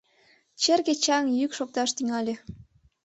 Черке чаҥ йӱк шокташ тӱҥале.